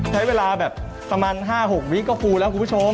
ใช้เวลาแบบประมาณ๕๖วิก็ฟูแล้วคุณผู้ชม